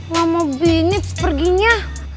lama binit seperginya